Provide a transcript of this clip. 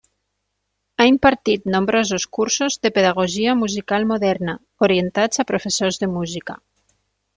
Ha impartit nombrosos cursos de Pedagogia Musical Moderna, orientats a professors de música.